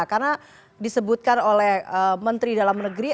karena disebutkan oleh menteri dalam negeri